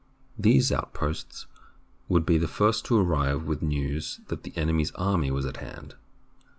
These outposts would be the first to arrive with news that the enemy's army was at hand.